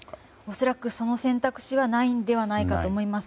恐らく、その選択肢はないのではないかと思います。